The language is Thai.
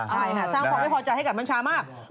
ใช่ค่ะสร้างพลังที่พอจะให้กัดน้ำชามาก